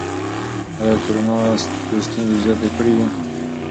ایا کورونا ستونزې زیاتې کړي دي؟